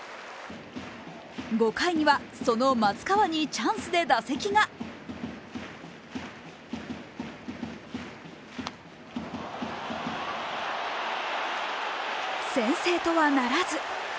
５回にはその松川にチャンスで打席が先制とはならず。